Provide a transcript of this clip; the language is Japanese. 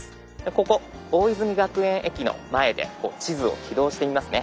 ここ大泉学園駅の前で地図を起動してみますね。